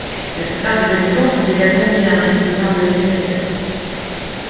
La plupart des habitants sont également bilingues et parlent l'espagnol.